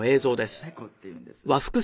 「ペコっていうんです。